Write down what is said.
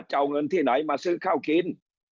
จะเอาเงินที่ไหนมาซื้อข้าวกิน